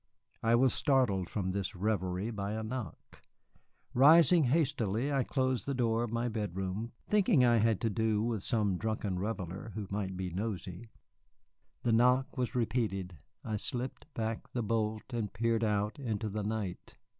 I was startled from this revery by a knock. Rising hastily, I closed the door of my bedroom, thinking I had to do with some drunken reveller who might be noisy. The knock was repeated. I slipped back the bolt and peered out into the night.